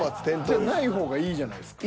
じゃあない方がいいじゃないですか。